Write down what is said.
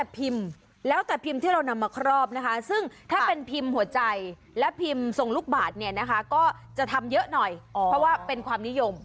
เพราะว่าเป็นความนิยม